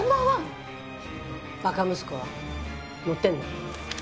馬鹿息子は？載ってんの？